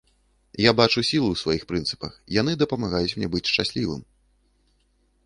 Я бачу сілу ў сваіх прынцыпах, яны дапамагаюць мне быць шчаслівым.